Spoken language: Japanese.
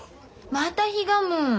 またひがむ。